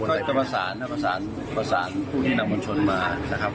ก็จะประสานนะครับประสานผู้ที่นำมวลชนมานะครับ